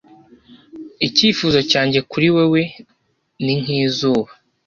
Icyifuzo cyanjye kuri wewe ni nkizuba